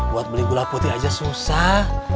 buat beli gula putih aja susah